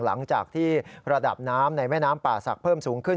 หลังจากที่ระดับน้ำในแม่น้ำป่าศักดิ์เพิ่มสูงขึ้น